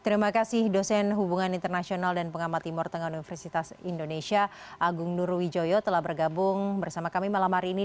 terima kasih dosen hubungan internasional dan pengamat timur tengah universitas indonesia agung nurwijoyo telah bergabung bersama kami malam hari ini